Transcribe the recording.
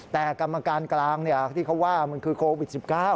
แต่กรรมการกลางที่เขาว่ามันคือโควิด๑๙